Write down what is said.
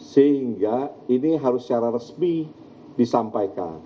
sehingga ini harus secara resmi disampaikan